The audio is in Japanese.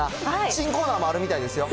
新コーナーもあるみたいですよ。